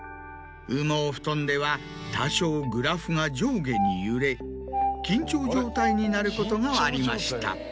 羽毛布団では多少グラフが上下に揺れ緊張状態になることがありました。